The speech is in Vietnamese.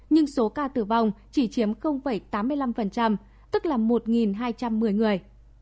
nhưng số ca tử vong chỉ chiếm tám mươi năm tức là một hai trăm một mươi người